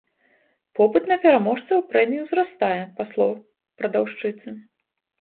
Попыт на пераможцаў прэміі ўзрастае, па словах прадаўшчыцы.